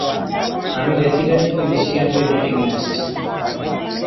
আমি রেসিডেন্ট ফিজিশিয়ানকে ডেকে নিয়ে আসছি।